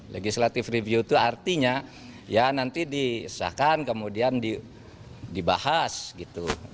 legislative review itu artinya ya nanti disahkan kemudian dibahas gitu